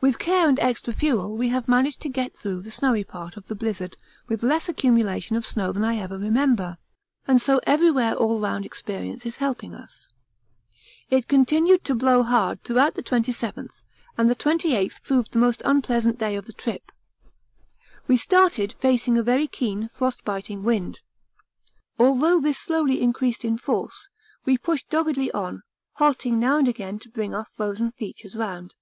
With care and extra fuel we have managed to get through the snowy part of the blizzard with less accumulation of snow than I ever remember, and so everywhere all round experience is helping us. It continued to blow hard throughout the 27th, and the 28th proved the most unpleasant day of the trip. We started facing a very keen, frostbiting wind. Although this slowly increased in force, we pushed doggedly on, halting now and again to bring our frozen features round.